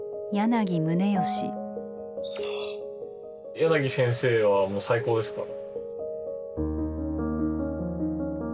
柳先生はもう最高ですから。